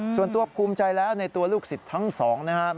ส่วนตัวภูมิใจแล้วในตัวลูกศิษย์ทั้งสองนะครับ